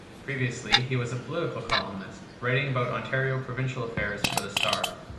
Previously, he was a political columnist, writing about Ontario provincial affairs for the Star.